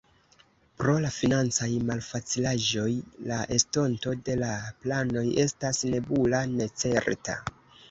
Pro la financaj malfacilaĵoj, la estonto de la planoj estas nebula, necerta.